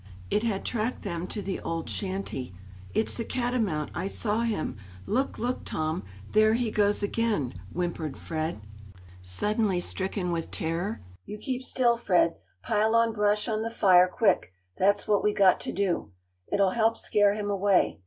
It had tracked them to the old shanty. "It's the catamount; I saw him. Look, look, Tom! There he goes again," whimpered Fred, suddenly stricken with terror. "You keep still, Fred. Pile on brush on the fire, quick; that's what we got to do. It'll help scare him away.